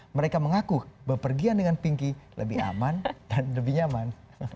mereka mengaku bepergian dengan pinky lebih aman dan lebih nyaman